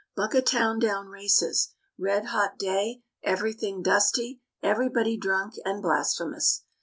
Buckatowndown Races. Red hot day, everything dusty, everybody drunk and blasphemous.